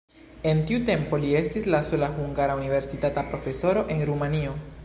En tiu tempo li estis la sola hungara universitata profesoro en Rumanio.